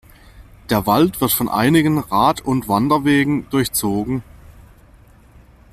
Der Wald wird von einigen Rad- und Wanderwegen durchzogen.